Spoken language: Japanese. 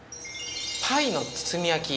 パイの包み焼き。